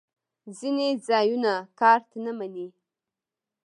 ځینې ځایونه کارت نه منی